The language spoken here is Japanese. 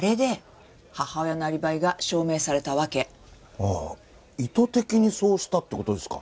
ああ意図的にそうしたって事ですか？